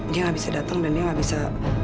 dia gak bisa dateng dan dia gak bisa